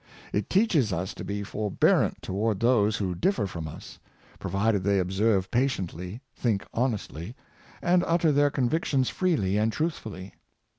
It teaches us to be forbearant towards those who differ from us, provided they observe patiently, think hon estly, and utter their convictions freely and truthfully.